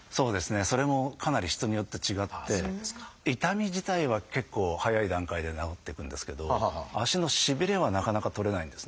それもかなり人によって違って痛み自体は結構早い段階で治っていくんですけど足のしびれはなかなか取れないんですね。